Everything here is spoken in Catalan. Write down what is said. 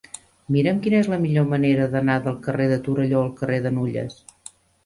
Mira'm quina és la millor manera d'anar del carrer de Torelló al carrer de Nulles.